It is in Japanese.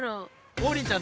王林ちゃん。